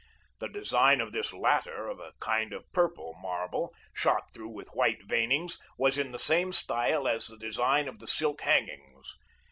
The design of this latter, of a kind of purple marble, shot through with white veinings, was in the same style as the design of the silk hangings.